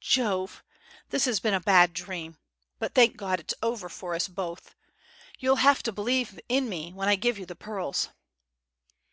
Jove! This has been a bad dream. But thank God it's over for us both. You'll have to believe in me when I give you the pearls."